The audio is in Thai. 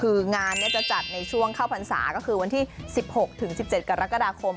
คืองานจะจัดในช่วงเข้าพรรษาก็คือวันที่๑๖ถึง๑๗กรกฎาคม